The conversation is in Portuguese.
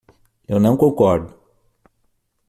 Eu não concordo.